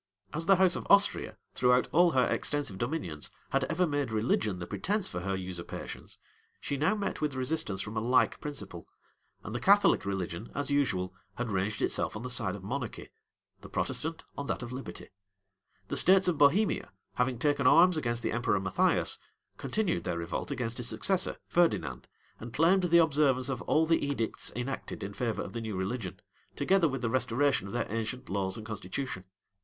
As the house of Austria, throughout all her extensive dominions, had ever made religion the pretence for her usurpations, she now met with resistance from a like principle; and the Catholic religion, as usual, had ranged itself on the side of monarchy; the Protestant, on that of liberty. The states of Bohemia, having taken arms against the emperor Matthias, continued their revolt against his successor, Ferdinand, and claimed the observance of all the edicts enacted in favor of the new religion, together with the restoration of their ancient laws and constitution.